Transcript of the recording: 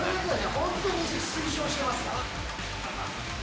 本当に推奨してますから。